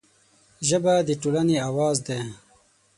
ژبه د ټولنې اواز دی